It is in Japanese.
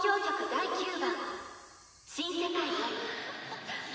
第９番「新世界より」。